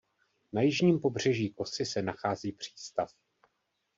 Na jižním pobřeží kosy se nachází přístav.